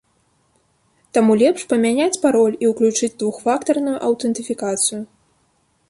Таму лепш памяняць пароль і ўключыць двухфактарную аўтэнтыфікацыю.